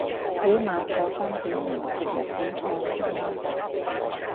起碼坐返幾年食日本菜先啦